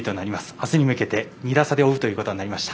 あすに向けて２打差で追うということになりました。